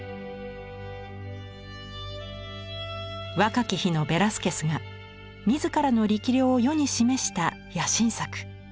若き日のベラスケスが自らの力量を世に示した野心作。